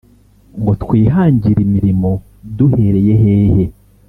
ngo twihangire imirimo duhereye hehe